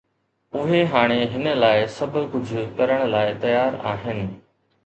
اهي هاڻي هن لاءِ سڀ ڪجهه ڪرڻ لاءِ تيار آهن.